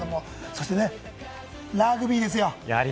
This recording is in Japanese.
そしてラグビーですよ。